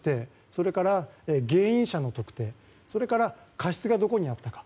それから、原因者の特定それから過失がどこにあったか。